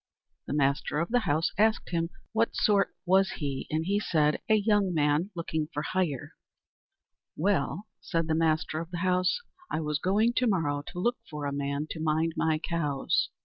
The master of the house asked him what sort was he, and he said: "A young man looking for hire." "Well," said the master of the house, "I was going to morrow to look for a man to mind my cows.